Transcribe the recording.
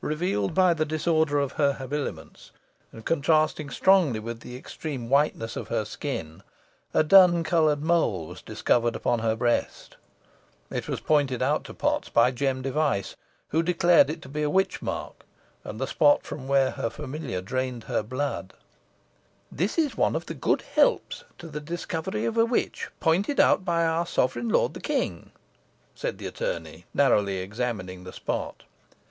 Revealed by the disorder of her habiliments, and contrasting strongly with the extreme whiteness of her skin, a dun coloured mole was discovered upon her breast. It was pointed out to Potts by Jem Device, who declared it to be a witch mark, and the spot where her familiar drained her blood. "This is one of the 'good helps' to the discovery of a witch, pointed out by our sovereign lord the king," said the attorney, narrowly examining the spot.